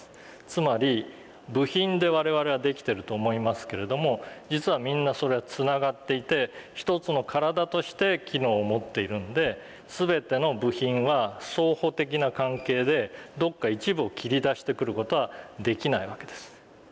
つまり部品で我々はできてると思いますけれども実はみんなそれはつながっていて一つの体として機能を持っているんで全ての部品は相補的な関係でどっか一部を切り出してくる事はできないわけです。